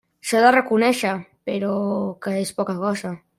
S'ha de reconéixer, però, que és poca cosa.